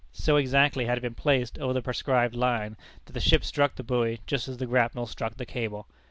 So exactly had it been placed over the prescribed line, that the ship struck the buoy just as the grapnel struck the cable!